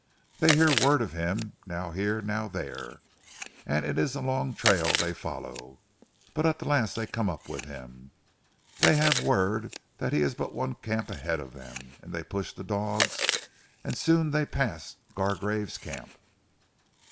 Dey hear word of him, now here, now dere, and it is a long trail dey follow, but at ze last dey come up with him. Dey hav' word dat he is but one camp ahead of dem, an' dey push the dogs, an' soon dey pass Gargrave's camp."